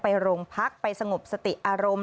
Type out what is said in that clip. ไปโรงพักไปสงบสติอารมณ์